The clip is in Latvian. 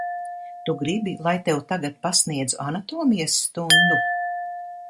Tu gribi, lai tev tagad pasniedzu anatomijas stundu?